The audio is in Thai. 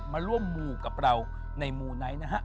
มาร่วมมูกับเราในมูไนท์นะฮะ